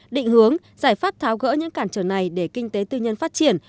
định hướng giải pháp tháo gỡ những cản trở này để kinh tế tư nhân phát triển